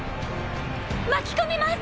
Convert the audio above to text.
巻き込みます！